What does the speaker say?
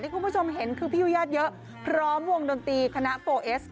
คุณผู้ชมเห็นคือพี่ยุญาติเยอะพร้อมวงดนตรีคณะโฟเอส